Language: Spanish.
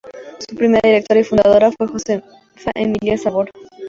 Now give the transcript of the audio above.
Su primera directora y fundadora fue Josefa Emilia Sabor.